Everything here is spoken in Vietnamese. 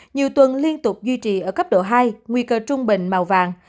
nhiều tuần liên tục duy trì ở cấp độ hai nguy cơ trung bình màu vàng